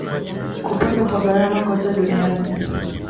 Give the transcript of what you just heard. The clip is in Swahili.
kupanda kwa gharama kote duniani